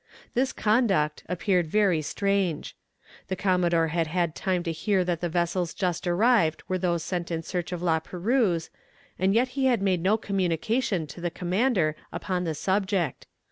This conduct, appeared very strange. The commodore had had time to hear that the vessels just arrived were those sent in search of La Perouse, and yet he had made no communication to the commander upon the subject.